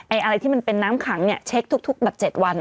อะไรที่มันเป็นน้ำขังเช็คทุก๗วัน